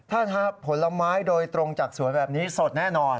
ถ้าผลไม้โดยตรงจากสวนแบบนี้สดแน่นอน